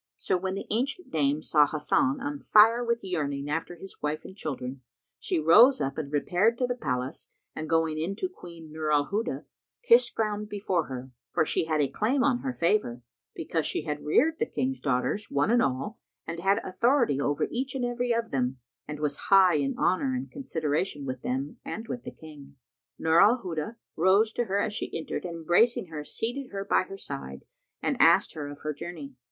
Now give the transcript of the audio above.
So when the ancient dame saw Hasan on fire with yearning after his wife and children, she rose up and repaired to the palace and going in to Queen Nur al Huda kissed ground before her; for she had a claim on her favour because she had reared the King's daughters one and all and had authority over each and every of them and was high in honour and consideration with them and with the King. Nur al Huda rose to her as she entered and embracing her, seated her by her side and asked her of her journey.